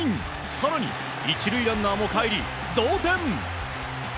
更に１塁ランナーもかえり同点！